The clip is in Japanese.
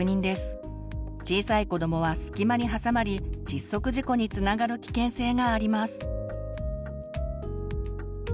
小さい子どもは隙間に挟まり窒息事故につながる危険性があります。